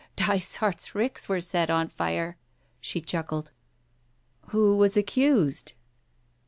Dysart's ricks were set on fire " she chuckled. " Who was accused